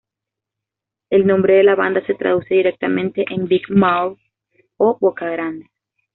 El nombre de la banda se traduce directamente en "Big mouth" o "Boca Grande".